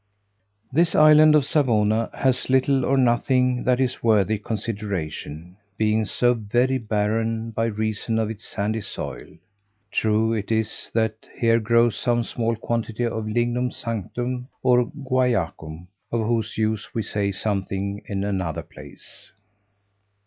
This island of Savona has little or nothing that is worthy consideration, being so very barren by reason of its sandy soil. True it is, that here grows some small quantity of lignum sanctum, or guaiacum, of whose use we say something in another place.